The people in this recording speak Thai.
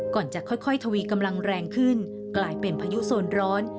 ก่อนจะค่อยทวีกำลังแรงขึ้นกลายเป็นพายุโซนร้อน